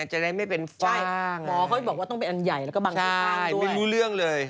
หมอเขาบอกว่าต้องเป็นอันใหญ่แล้วก็บังแถวต่างตัวเองไม่รู้เรื่องเลย